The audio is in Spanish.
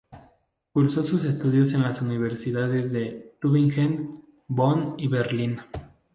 Cursó sus estudios en las universidades de Tübingen, Bonn y Berlín.